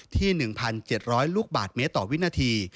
ที่๑๗๐๐ลูกบาทเมตรต่อวินาที